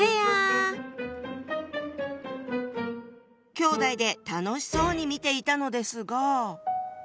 きょうだいで楽しそうに見ていたのですが。